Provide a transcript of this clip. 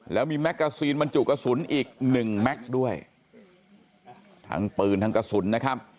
แล้วมีแมกกาซีนบรรจุกระสุนอีกหนึ่งแม็กซ์ด้วยทั้งปืนทั้งกระสุนนะครับ